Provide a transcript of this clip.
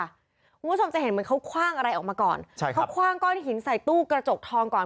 คุณผู้ชมจะเห็นเหมือนเขาคว่างอะไรออกมาก่อนใช่ครับเขาคว่างก้อนหินใส่ตู้กระจกทองก่อน